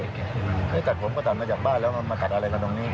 ให้ตัดผมก็ตัดมาจากบ้านแล้วมาตัดอะไรกันตรงนี้